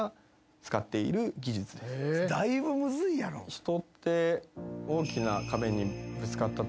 人って。